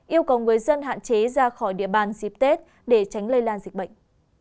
yêu cầu người dân hạn chế ra khỏi địa bàn dịp tết để tránh lây lan dịch bệnh